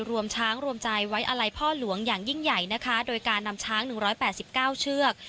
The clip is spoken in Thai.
รวมช้างรวมใจไว้อาลัยพ่อหลวงอย่างยิ่งใหญ่นะคะโดยการนำช้าง๑๘๙เชือก